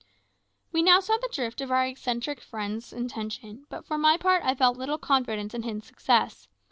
We now saw the drift of our eccentric friend's intention, but for my part I felt little confidence in his success.